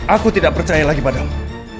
aku tidak percaya lagi padamu